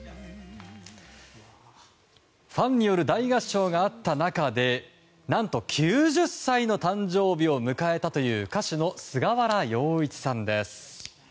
ファンによる大合唱があった中で何と９０歳の誕生日を迎えた歌手の菅原洋一さんです。